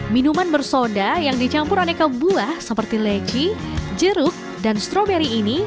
minuman bersoda yang dicampur aneka buah seperti leci jeruk dan stroberi ini